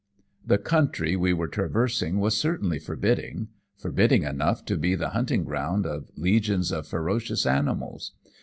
"The country we were traversing was certainly forbidding forbidding enough to be the hunting ground of legions of ferocious animals.